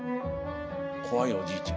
怖いおじいちゃん。